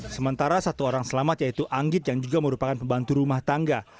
sementara satu orang selamat yaitu anggit yang juga merupakan pembantu rumah tangga